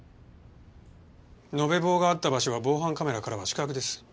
延べ棒があった場所は防犯カメラからは死角です。